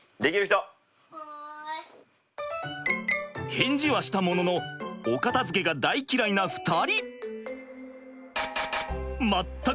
返事はしたもののお片づけが大嫌いな２人。